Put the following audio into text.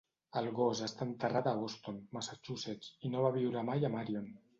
El gos està enterrat a Boston, Massachusetts i no va viure mai a Marion.